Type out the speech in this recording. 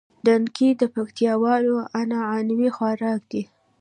ډنډکی د پکتياوالو عنعنوي خوارک ده